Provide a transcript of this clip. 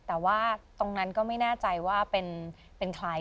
แต่ว่าตรงนั้นก็ไม่แน่ใจว่าเป็นใคร